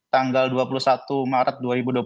tanggal dua puluh satu maret dua ribu dua puluh satu